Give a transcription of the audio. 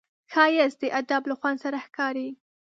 ښایست د ادب له خوند سره ښکاري